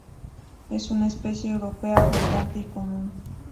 Es una especie europea abundante y común.